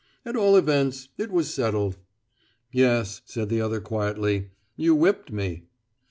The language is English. "At all events, it was settled." "Yes," said the other quietly. "You whipped me."